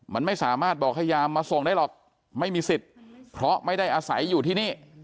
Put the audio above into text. มันไม่สามารถบอกให้ยามมาส่งได้หรอกไม่มีสิทธิ์เพราะไม่ได้อาศัยอยู่ที่นี่